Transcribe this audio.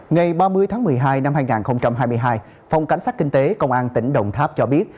ngày ba mươi tháng một mươi hai năm hai nghìn hai mươi hai phòng cảnh sát kinh tế công an tỉnh đồng tháp cho biết